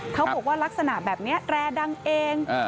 เขาบอกว่ารักษณะแบบนี้แรร์ดังเอง